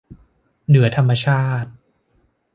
เหนือธรรมชาติ